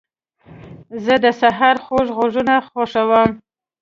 زه د سهار خوږ غږونه خوښوم.